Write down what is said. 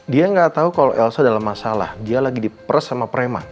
dia gak tau kalau elsa dalam masalah dia lagi diperes sama prema